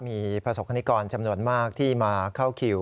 มีประสบคณิกรจำนวนมากที่มาเข้าคิว